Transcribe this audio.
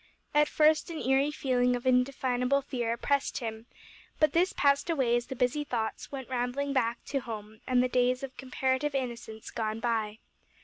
At first an eerie feeling of indefinable fear oppressed him, but this passed away as the busy thoughts went rambling back to home and the days of comparative innocence gone by.